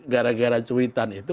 gara gara cuitan itu